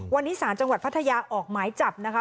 วันนี้ศาลจังหวัดพัทยาออกหมายจับนะคะ